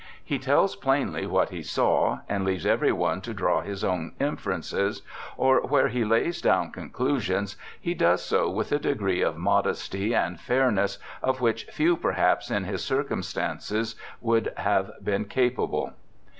He tells plainly what he saw and leaves every one to draw his own inferences, or where he la^'^s down con clusions he does so with a degree of modesty and fair ness of which few perhaps in his circumstances would have been capable.'